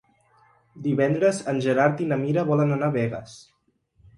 Divendres en Gerard i na Mira volen anar a Begues.